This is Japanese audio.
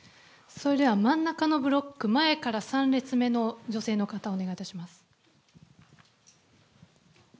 それでは真ん中のブロック、前から３列目の女性の方、お願いいたします。